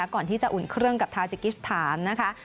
ก่อนที่จะอุ่นเครื่องกับทาจิกิสถานนะคะ